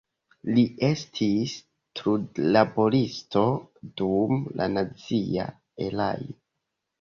Li estis trudlaboristo dum la nazia erao.